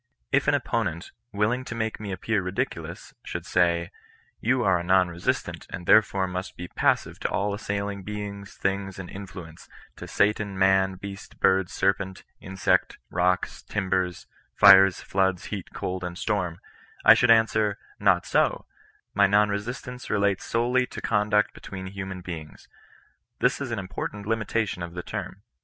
If an opponent, will ing to make me appear ridiculous, should say —" You are a non resistant, and therefore must be passive to all assailing beings, things, and influences, to satan, man, beast, bird, serpent, insect, rocks, timbers, fires, floods, heat, cold, and storm," — I should answer, not so; my non resistance relates solely to conduct between h\mian beings. This is an important limitation of the term.